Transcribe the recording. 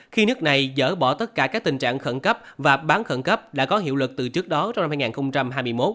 khi nước này dỡ bỏ tất cả các tình trạng khẩn cấp và bán khẩn cấp đã có hiệu lực từ trước đó trong năm hai nghìn hai mươi một